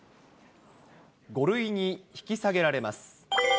５類に引き下げられます。